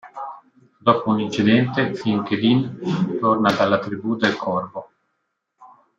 Dopo un incidente, Fin-Kedinn torna dalla Tribù del Corvo.